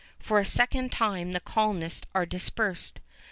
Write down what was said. For a second time the colonists are dispersed.